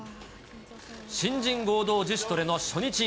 新人合同自主トレの初日。